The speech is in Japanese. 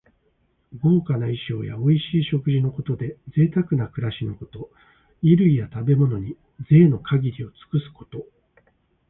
豪華な衣装やおいしい食事のことで、ぜいたくな暮らしのこと。衣類や食べ物に、ぜいの限りを尽くすこと。